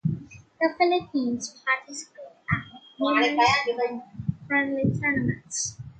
The Philippines participated at numerous minor friendly tournaments.